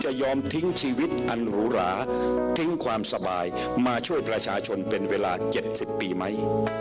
ยอมทิ้งชีวิตอันหรูหราทิ้งความสบายมาช่วยประชาชนเป็นเวลา๗๐ปีไหม